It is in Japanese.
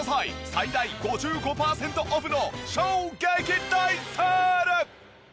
最大５５パーセントオフの衝撃大セール！